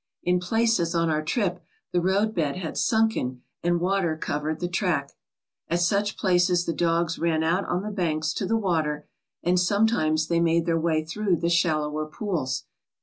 In places on our trip the roadbed had sunken and water covered the track. At such places the dogs ran out on the banks to the water, and sometimes they made their way through the shallower pools.